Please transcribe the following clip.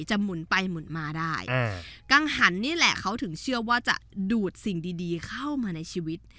หมุนไปหมุนมาได้กังหันนี่แหละเขาถึงเชื่อว่าจะดูดสิ่งดีดีเข้ามาในชีวิต